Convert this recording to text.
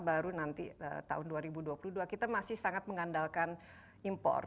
baru nanti tahun dua ribu dua puluh dua kita masih sangat mengandalkan impor